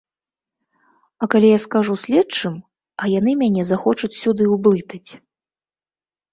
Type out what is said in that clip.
А калі я скажу следчым, а яны мяне захочуць сюды ўблытаць?